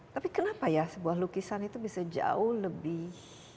tapi kenapa ya sebuah lukisan itu bisa jauh lebih